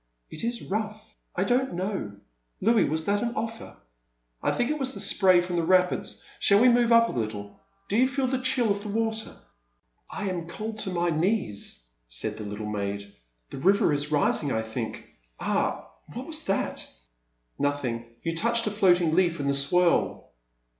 "It is rough ; I don't know, — Louis, was that an offer? I think it was the spray from the rapids. Shall we move up a little ? Do you fed the chill of the water? ii6 The Silent Land. 1 1 7 I am cold to my knees," said the little maid, the river is rising I think — ah, what was that?'' Nothing, — you touched a floating leaf in the swiri."